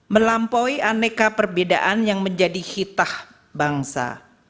melampaui aneka perbedaan yang menjadi hitah bangsa